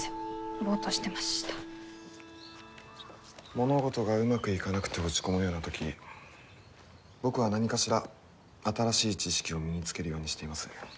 物事がうまくいかなくて落ち込むような時僕は何かしら新しい知識を身につけるようにしています。